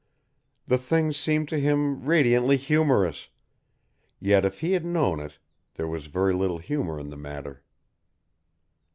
The thing seemed to him radiantly humorous, yet if he had known it there was very little humour in the matter.